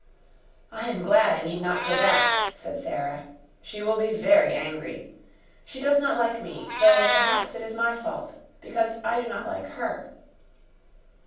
"I am glad I need not go back," said Sara. "She will be very angry. She does not like me; though perhaps it is my fault, because I do not like her."